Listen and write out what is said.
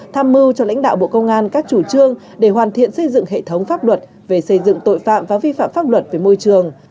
tham mưu cho lãnh đạo bộ công an các chủ trương để hoàn thiện xây dựng hệ thống pháp luật về xây dựng tội phạm và vi phạm pháp luật về môi trường